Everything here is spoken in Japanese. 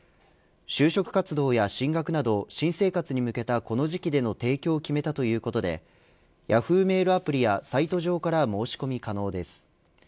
就職活動や進学など新生活に向けたこの時期での提供を決めたということでＹａｈｏｏ！メールアプリやサイト上から申し込み可能です。